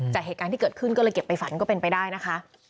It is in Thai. เหตุการณ์ที่เกิดขึ้นก็เลยเก็บไปฝันก็เป็นไปได้นะคะ